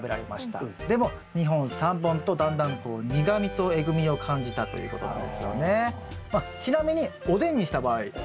でも２本３本とだんだんこう苦みとえぐみを感じたということなんですよね。